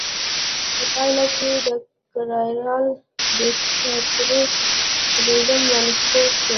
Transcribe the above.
په پایله کې د کرېرارا دیکتاتور رژیم رانسکور شو.